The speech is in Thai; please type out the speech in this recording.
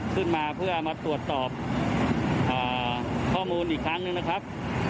ขึ้นมาเพื่อมาตรวจสอบข้อมูลอีกครั้งหนึ่งนะครับ